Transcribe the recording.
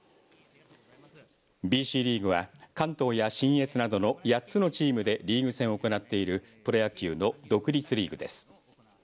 ＢＣリーグは関東や信越などの８つのチームでリーグ戦を行っているプロ野球の独立リーグです。